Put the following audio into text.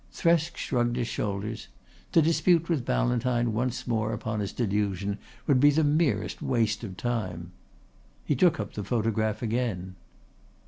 Thresk shrugged his shoulders. To dispute with Ballantyne once more upon his delusion would be the merest waste of time. He took up the photograph again.